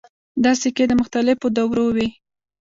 دا سکې د مختلفو دورو وې